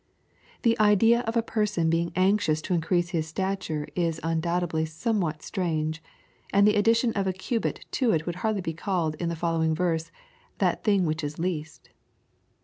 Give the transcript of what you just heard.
The idea of a person being anxious to increase his stature is undoubtedly some what, strange, and the addition of a cubit to it would hardly be called in the following verse " that thing which is least."